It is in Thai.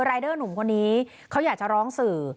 รายเดอร์หนุ่มคนนี้เขาอยากจะร้องสื่อ